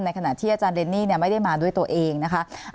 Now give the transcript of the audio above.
ขณะที่อาจารย์เรนนี่ไม่ได้มาด้วยตัวเองนะคะ